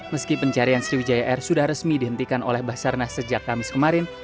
meski pencarian sriwijaya air sudah resmi dihentikan oleh basarnas sejak kamis kemarin